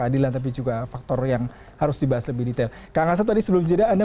dan kami sudah berbicara dengan anda